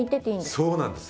そうなんです。